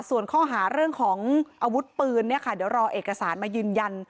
ส่วนข้อหาเรื่องของอาวุธปืนเนี่ยค่ะเดี๋ยวรอเอกสารมายืนยัน